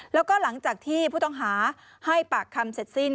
แล้วก็หลังจากที่ผู้ต้องหาให้ปากคำเสร็จสิ้น